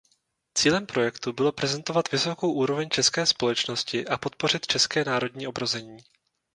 Cílem projektu bylo prezentovat vysokou úroveň české společnosti a podpořit české národní obrození.